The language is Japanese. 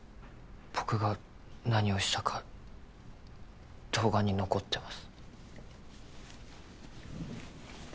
僕が何をしたか動画に残ってます